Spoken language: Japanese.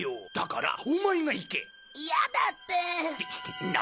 嫌だって。何！？